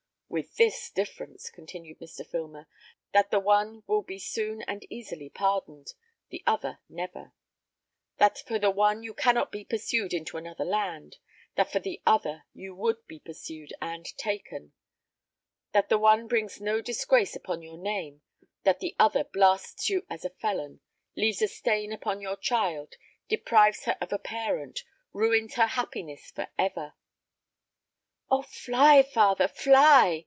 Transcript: "With this difference," continued Mr. Filmer, "that the one will be soon and easily pardoned, the other never; that for the one you cannot be pursued into another land, that for the other you would be pursued and taken; that the one brings no disgrace upon your name, that the other blasts you as a felon, leaves a stain upon your child, deprives her of a parent, ruins her happiness for ever." "Oh fly, father, fly!"